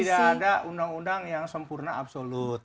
tidak ada undang undang yang sempurna absolut